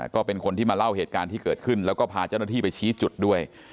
ก็เป็นคนที่มาเล่าเหตุการณ์ที่เกิดขึ้นแล้วก็พาเจ้าหน้าที่ไปชี้จุดด้วย